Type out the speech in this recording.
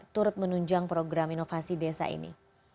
turut menunjang program inovasi desa ini